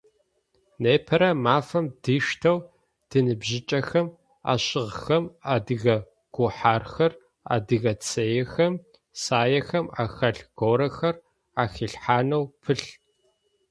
Непэрэ мафэм диштэу тиныбжьыкӏэхэм ащыгъхэм адыгэ гухьархэр, адыгэ цыехэм, саехэм ахэлъ горэхэр ахилъхьанэу пылъ.